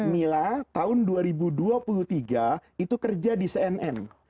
mila tahun dua ribu dua puluh tiga itu kerja di cnn